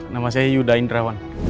nama saya yuda indrawan